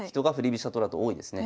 飛車党だと多いですね。